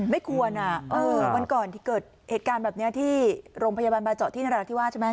ไม่ควรวันก่อนที่เกิดเหตุการณ์แบบนี้ที่โรงพยาบาลบาเจาะที่นราธิวาสใช่ไหม